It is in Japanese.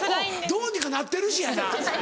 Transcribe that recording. どうにかなってるしやな。